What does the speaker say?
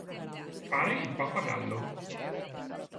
Fare il pappagallo.